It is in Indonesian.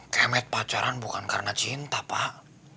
kemet pacaran bukan karena cinta pak